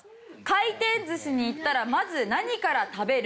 回転寿司に行ったらまず何から食べる？